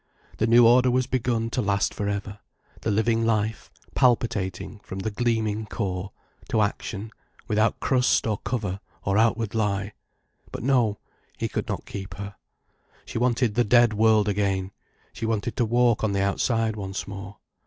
The new order was begun to last for ever, the living life, palpitating from the gleaming core, to action, without crust or cover or outward lie. But no, he could not keep her. She wanted the dead world again—she wanted to walk on the outside once more.